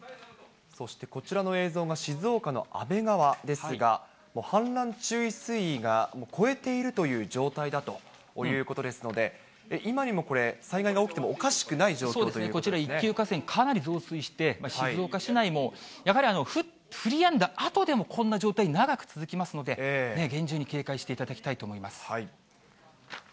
そしてこちらの映像が、静岡の安倍川ですが、氾濫注意水位が超えているという状態だということですので、今にもこれ、災害が起きてもおかしくないようこちら、一級河川、かなり増水して、静岡市内も、やはり降りやんだあとでも、こんな状態、長く続きますので、厳重に警戒していただきたいと思います。